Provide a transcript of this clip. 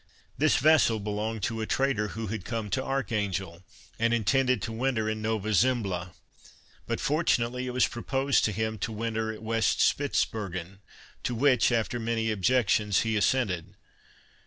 This vessel belonged to a trader who had come to Archangel, and intended to winter in Nova Zembla; but fortunately it was proposed to him to winter at West Spitzbergen, to which, after many objections, he assented.